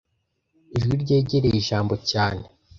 ijwi ryegereye ijambo cyane